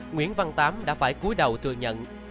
nguyễn văn tám đã phải cuối đầu thừa nhận